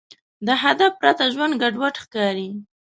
د هدف پرته ژوند ګډوډ ښکاري.